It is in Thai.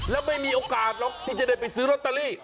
แล้วไม่มีโอกาสหรอกที่จะได้ไปซื้อลอตเตอรี่